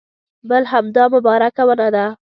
بل همدا مبارکه ونه ده.